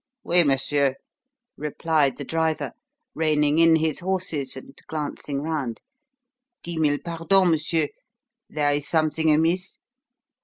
"Oui, monsieur," replied the driver, reining in his horses and glancing round. "Dix mille pardons, M'sieur, there is something amiss?"